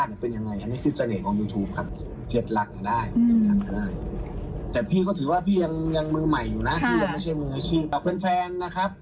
พี่ยังไม่ใช่มืออาชีพแต่เพื่อนนะครับ